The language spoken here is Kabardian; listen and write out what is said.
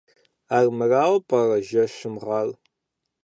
Армырауэ пӀэрэ жэщым гъар?